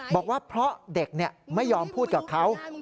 บอกว่าเพราะเด็กไม่ยอมพูดกับเขา